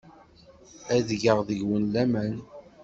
Ad geɣ deg-wen laman.